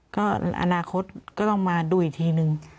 ก็อนาคตก็ต้องมาดูอีกทีนึง